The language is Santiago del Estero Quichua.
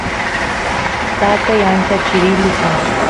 tatay ancha chirilu kan